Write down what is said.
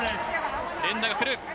連打が来る。